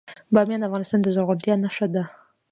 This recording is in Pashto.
بامیان د افغانستان د زرغونتیا نښه ده.